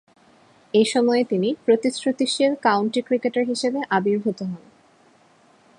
এ সময়ে তিনি প্রতিশ্রুতিশীল কাউন্টি ক্রিকেটার হিসেবে আবির্ভূত হন।